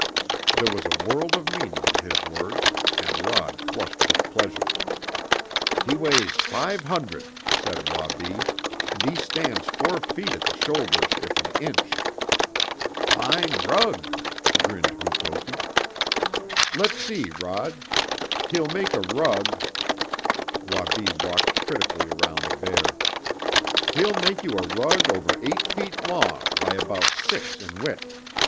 There was a world of meaning in his words, and Rod flushed with pleasure. "He weighs five hundred," said Wabi, "and he stands four feet at the shoulders if an inch." "Fine rug!" grinned Mukoki. "Let's see, Rod; he'll make a rug " Wabi walked critically around the bear. "He'll make you a rug over eight feet long by about six in width.